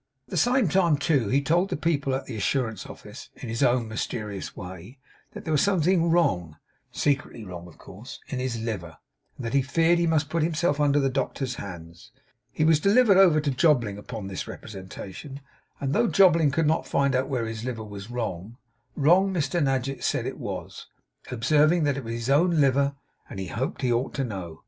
At the same time, too, he told the people at the Assurance Office, in his own mysterious way, that there was something wrong (secretly wrong, of course) in his liver, and that he feared he must put himself under the doctor's hands. He was delivered over to Jobling upon this representation; and though Jobling could not find out where his liver was wrong, wrong Mr Nadgett said it was; observing that it was his own liver, and he hoped he ought to know.